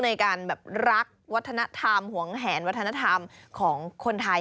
ในการแบบรักวัฒนธรรมหวงแหนวัฒนธรรมของคนไทย